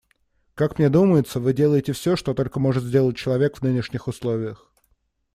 Как мне думается, вы делаете все, что только может сделать человек в нынешних условиях.